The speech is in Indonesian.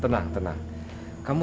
tidak ada apa apa